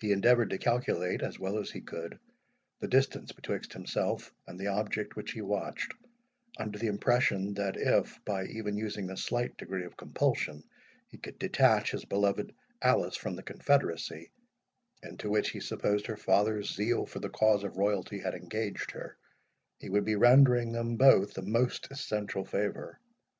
He endeavoured to calculate, as well as he could, the distance betwixt himself and the object which he watched, under the impression, that if, by even using a slight degree of compulsion, he could detach his beloved Alice from the confederacy into which he supposed her father's zeal for the cause of royalty had engaged her, he would be rendering them both the most essential favour.